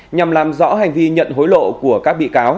nhằm làm rõ hành vi nhận hối lộ của các bị cáo